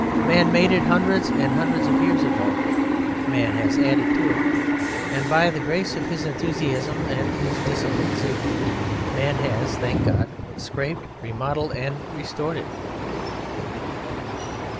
Man made it hundreds and hundreds of years ago; man has added to it, and, by the grace of his enthusiasm and his disciplined zeal, man has (thank God!) scraped, remodelled, and restored it.